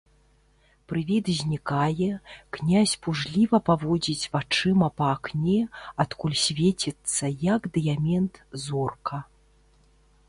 Прывід знікае, князь пужліва паводзіць вачыма па акне, адкуль свеціцца, як дыямент, зорка.